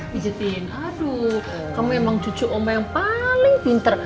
pijetin aduh kamu emang cucu oma yang paling pinter